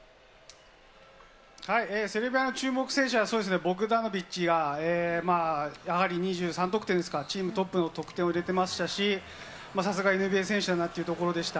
セルビアの注目選手は、が、やはり２３得点ですか、チームトップの得点を入れてましたし、さすがにＮＢＡの選手だなと思いました。